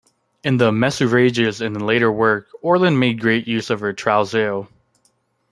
In the "MesuRages," and in later work, Orlan made great use of her "Trousseau".